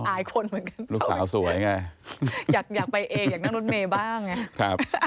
อายคนเหมือนกันเข้าไปเมล์อยากไปเองอยากนั่งรถเมล์บ้างไงฮ่า